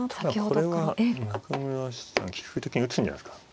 これは中村七段棋風的に打つんじゃないですか。